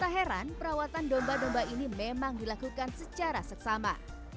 tak heran perawatan domba domba ini memang dilakukan secara seksama